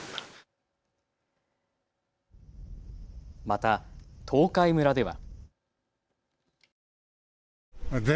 また東海村では。